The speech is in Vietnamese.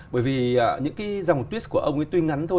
bởi vì những cái dòng tuyết của ông ấy tuy ngắn thôi